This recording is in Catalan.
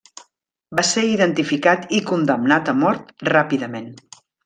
Va ser identificat i condemnat a mort ràpidament.